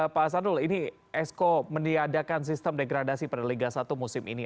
pak hasanul ini esko meniadakan sistem degradasi pada liga satu musim ini